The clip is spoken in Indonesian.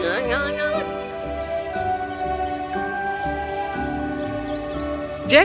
dia mencari orang yang berada di dalam rumah